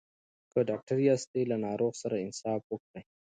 که ډاکټر یاست له ناروغ سره انصاف وکړئ.